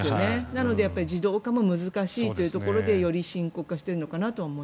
なので自動化も難しいというところでより深刻化しているのかなと。